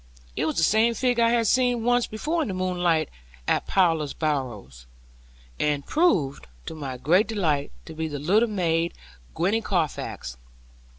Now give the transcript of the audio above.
It was the same figure I had seen once before in the moonlight, at Plover's Barrows; and proved, to my great delight, to be the little maid Gwenny Carfax.